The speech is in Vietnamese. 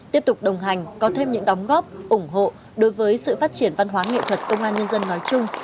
tiếp tục đồng hành có thêm những đóng góp ủng hộ đối với sự phát triển văn hóa nghệ thuật công an nhân dân nói chung